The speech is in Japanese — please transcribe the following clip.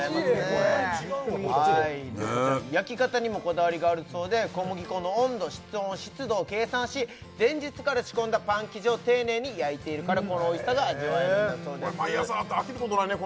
これ焼き方にもこだわりがあるそうで小麦粉の温度室温湿度を計算し前日から仕込んだパン生地を丁寧に焼いているからこのおいしさが味わえるそうですこれ毎朝あったら飽きることないね